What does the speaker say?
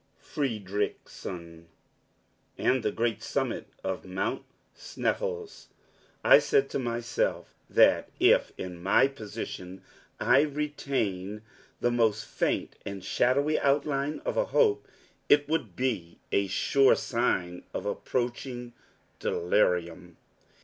Fridriksson, and the great summit of Mount Sneffels! I said to myself that, if in my position I retained the most faint and shadowy outline of a hope, it would be a sure sign of approaching delirium.